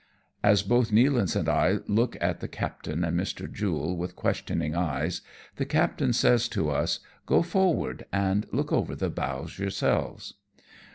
As both Nealance and I look at the captain and Mr. Jule with questioning eyes, the captain says to us, '^ Go forward, and look over the bows yourselves."